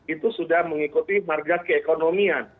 itu sudah mengikuti harga keekonomian